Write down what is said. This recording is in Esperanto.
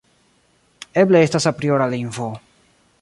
Eble estas apriora lingvo.